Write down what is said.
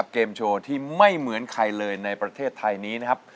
เกมโชว์ที่ไม่เหมือนใครเลยในประเทศไทยนี้นะครับ